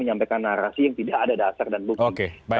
yang tidak ada dasar dan bukti